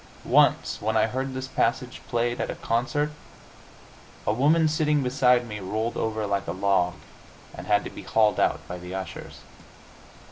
Once, when I heard this passage played at a concert, a woman sitting beside me rolled over like a log, and had to be hauled out by the ushers.